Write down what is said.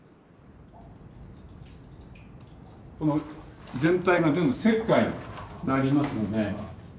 この全体が全部石灰になりますので。